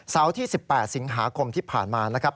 ที่๑๘สิงหาคมที่ผ่านมานะครับ